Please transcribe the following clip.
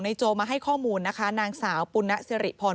ที่มันก็มีเรื่องที่ดิน